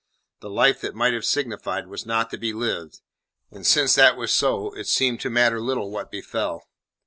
The life that might have signified was not to be lived, and since that was so it seemed to matter little what befell.